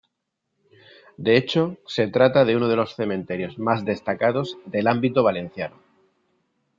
De hecho, se trata de uno de los cementerios más destacados del ámbito valenciano.